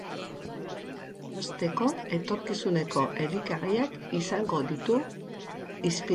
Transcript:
Hasteko, etorkizuneko elikagaiak izango ditu hizpide.